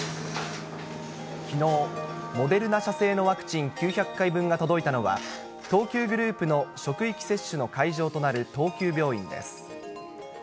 きのう、モデルナ社製のワクチン９００回分が届いたのは、東急グループの職域接種の会場となる東急病院です。